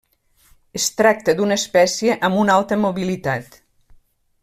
Es tracta d'una espècie amb una alta mobilitat.